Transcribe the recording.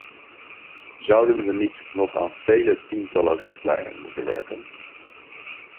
Zouden we niet nog aan vele tientallen richtlijnen moeten werken?